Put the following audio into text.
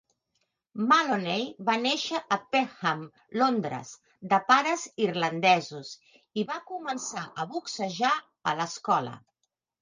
Maloney va néixer a Peckham, Londres, de pares irlandesos, i va començar a boxejar a l'escola.